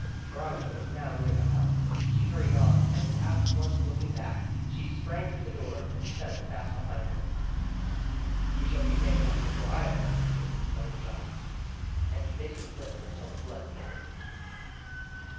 Veronica was now near the house. She hurried on and without once looking back, she sprang through the door and shut it fast behind her. "You shall be tame enough before I have done with you," muttered Jost, and he bit his lips until the blood came.